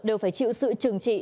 đều phải chịu sự trừng trị